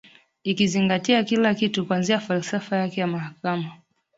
ikizingatia kila kitu kuanzia falsafa yake ya mahakama